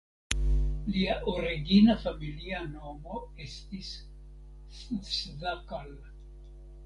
Lia origina familia nomo estis "Szakal".